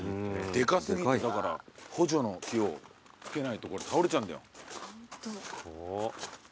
でか過ぎて補助の木を付けないと倒れちゃうんだよ。